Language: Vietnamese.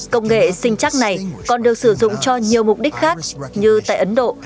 công nghệ sinh chắc này còn được sử dụng cho nhiều mục đích khác như tại ấn độ